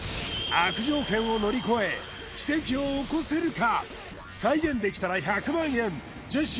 悪条件を乗り越え奇跡を起こせるか？